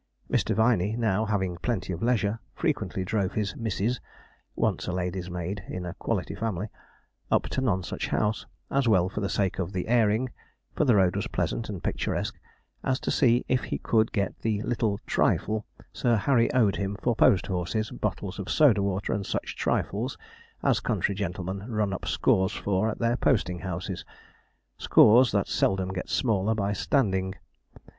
Mr. Viney now, having plenty of leisure, frequently drove his 'missis' (once a lady's maid in a quality family) up to Nonsuch House, as well for the sake of the airing for the road was pleasant and picturesque as to see if he could get the 'little trifle' Sir Harry owed him for post horses, bottles of soda water, and such trifles as country gentlemen run up scores for at their posting houses scores that seldom get smaller by standing.